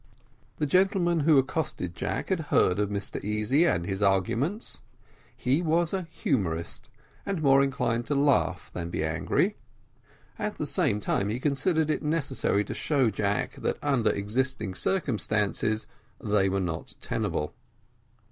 The gentleman who accosted Jack had heard of Mr Easy and his arguments; he was a humorist, and more inclined to laugh than to be angry; at the same time he considered it necessary to show Jack that under existing circumstances they were not tenable.